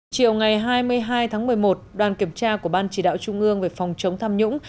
chiều ngày hai mươi hai tháng một mươi một đoàn kiểm tra của ban chỉ đạo trung ương về phòng chống tham nhũng